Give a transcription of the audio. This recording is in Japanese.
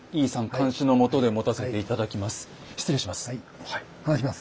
監修のもとで持たせて頂きます。